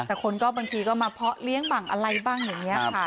แต่คนก็บางทีก็มาเพาะเลี้ยงบ้างอะไรบ้างอย่างนี้ค่ะ